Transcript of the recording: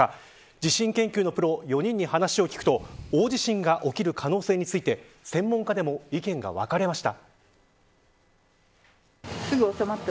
地震研究のプロ４人に話を聞くと大地震が起きる可能性について専門家でも意見が分かれました。